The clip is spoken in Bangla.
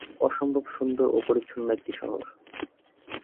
অসম্ভব সুন্দর ও পরিচ্ছন্ন একটি শহর।